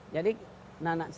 jadi anak sini kan masuk